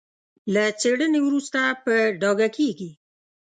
له څېړنې وروسته په ډاګه کېږي.